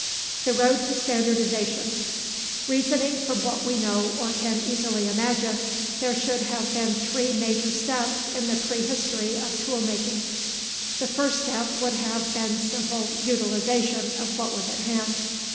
THE ROAD TO STANDARDIZATION Reasoning from what we know or can easily imagine, there should have been three major steps in the prehistory of tool making. The first step would have been simple utilization of what was at hand.